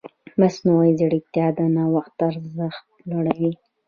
مصنوعي ځیرکتیا د نوښت ارزښت لوړوي.